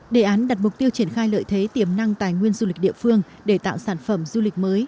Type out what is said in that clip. đề án đặt mục tiêu triển khai lợi thế tiềm năng tài nguyên du lịch địa phương để tạo sản phẩm du lịch mới